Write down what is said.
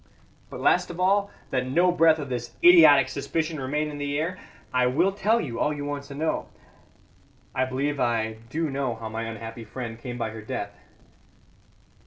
"But last of all, that no breath of this idiotic suspicion remain in the air, I will tell you all you want to know. I believe I do know how my unhappy friend came by her death.